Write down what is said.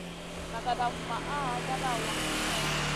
Nagada vumaʼha vada waʼa.